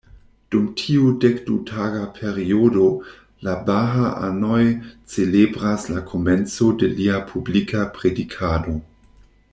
Dum tiu dekdu-taga periodo, la baha-anoj celebras la komenco de lia publika predikado.